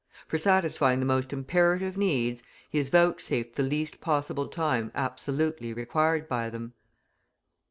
For satisfying the most imperative needs, he is vouchsafed the least possible time absolutely required by them.